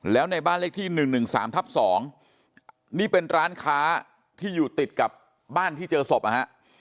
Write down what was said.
แล้วในบ้านเลขที่๑๑๓ทับ๒นี่เป็นร้านค้าที่อยู่ติดกับบ้านที่เจอศพนะฮะ